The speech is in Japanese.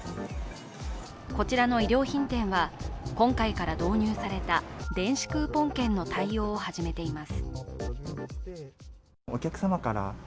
こちらの衣料品店は、今回から導入された電子クーポン券の対応を始めています。